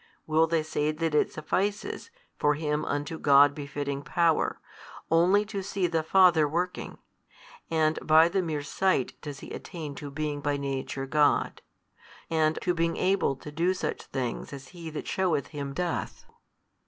will they say that it suffices for Him unto God befitting Power, only to see the Father working, and by the mere sight does He attain to being by Nature God, and to being able to do such things as He That sheweth Him doth?